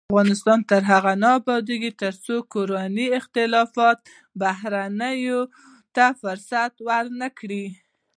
افغانستان تر هغو نه ابادیږي، ترڅو کورني اختلافات بهرنیو ته فرصت ورنکړي.